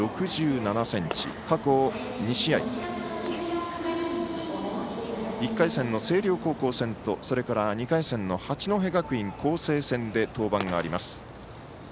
過去２試合１回戦の星稜高校戦とそれから、２回戦の八戸学院光星戦で登板があります。